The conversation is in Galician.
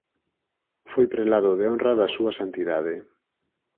Foi Prelado de Honra da Súa Santidade.